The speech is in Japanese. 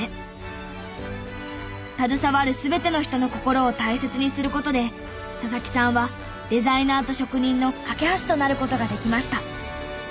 携わる全ての人の心を大切にする事で佐々木さんはデザイナーと職人の架け橋となる事ができました。